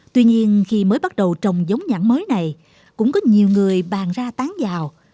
tuy nhiên khi mới bắt đầu trồng giống nhãn mới này cũng có nhiều người bàn ra tán vào